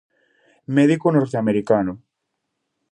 Médico norteamericano.